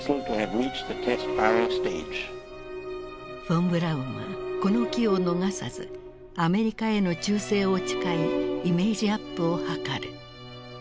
フォン・ブラウンはこの機を逃さずアメリカへの忠誠を誓いイメージアップを図る。